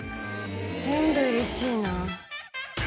全部うれしいな。